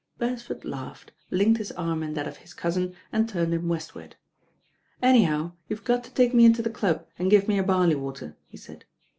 Beresford laughed, linked his arm in that of his cousin and turned him westward. "Anyhow, you've got to take me into the club and give me a barley water," he said.